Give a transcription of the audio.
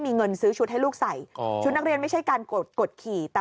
มีเงินซื้อชุดให้ลูกใส่ชุดนักเรียนไม่ใช่การกดขี่แต่